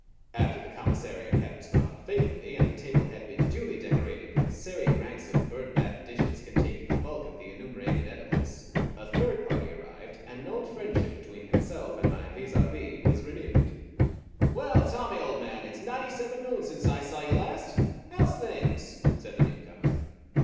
After the commissariat had responded faithfully, and the table had been duly decorated with the serried ranks of "bird bath" dishes containing the bulk of the enumerated edibles, a third party arrived, and an old friendship between himself and my vis à vis was renewed. "Well, Tommy, old man, it's ninety seven moons since I saw you last! How's things?" said the newcomer.